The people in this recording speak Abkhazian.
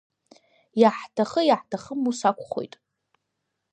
Иаҳҭахы-иаҳҭахым ус акәхоит.